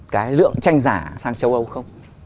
cái lượng tranh giả sang châu âu không